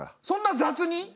そんな雑に？